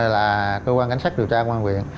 là cơ quan cảnh sát điều tra công an huyện